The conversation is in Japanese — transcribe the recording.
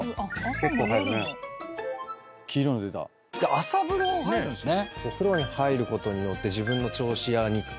朝風呂入るんすね。